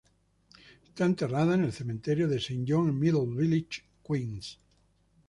Está enterrado en el cementerio de Saint John en Middle Village, Queens.